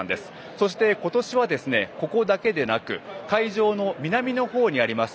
そして、今年はここだけでなく会場の南の方にあります